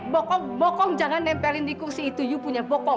bokong bokong jangan nempelin di kursi itu you punya bokong